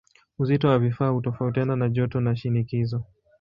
Uzito wa vifaa hutofautiana na joto na shinikizo.